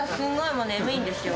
もう、眠いんですよ。